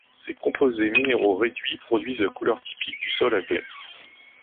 Ces composés minéraux réduits produisent la couleur typique du sol à gley.